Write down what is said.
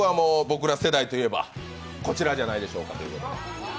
僕ら世代といえばこちらじゃないでしょうか。